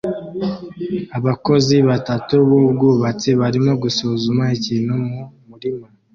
Abakozi batatu b'ubwubatsi barimo gusuzuma ikintu mu murima